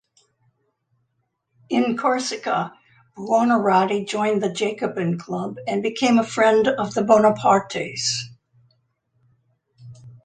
In Corsica, Buonarroti joined the Jacobin Club, and became a friend of the Bonapartes.